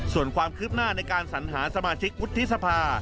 ส่วนความคืบหน้าในการสัญหาสมาชิกวุฒิสภา